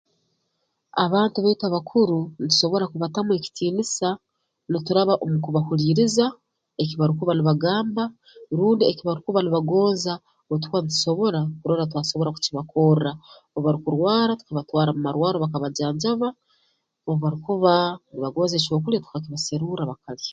Abantu baitu abakuru ntusobora kubatamu ekitiinisa nituraba omu kubahuliiriza eki barukuba nibagamba rundi eki barukuba nibagonza obu tukuba ntusobora kurora twasobora kukibakorra obu barukurwara tukabatwara mu marwarro bakabajanjaba obu barukuba nibagonza ekyokulya tukakibaserurra bakalya